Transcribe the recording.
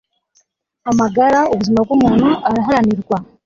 amagara ubuzima bw'umuntu araharanirwa